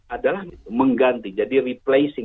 adalah mengganti jadi replacing